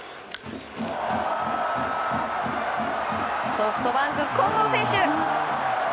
ソフトバンク、近藤選手。